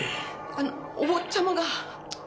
あのお坊ちゃまが。